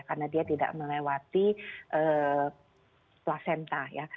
karena dia tidak melewati placenta ya